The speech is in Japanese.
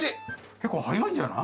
結構早いんじゃない？